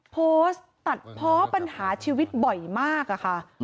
โพสต์ตัดเพาะปัญหาชีวิตบ่อยมากอะค่ะ